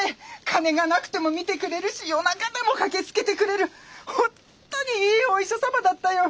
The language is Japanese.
金がなくても診てくれるし夜中でも駆けつけてくれる本当にいいお医者様だったよ。